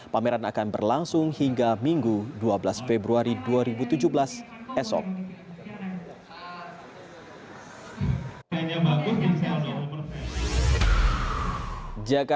pameran akan berlangsung hingga minggu dua belas februari dua ribu tujuh belas esok